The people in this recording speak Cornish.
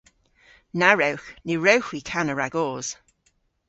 Na wrewgh. Ny wrewgh hwi kana ragos.